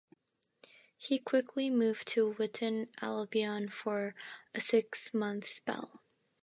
He quickly moved to Witton Albion for a six-month spell.